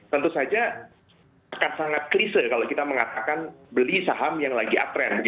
tentu saja akan sangat klise kalau kita mengatakan beli saham yang lagi utrend